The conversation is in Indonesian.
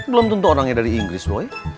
belom tentu orangnya dari inggris doi